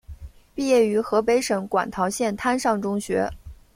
毕业于河北省馆陶县滩上中学。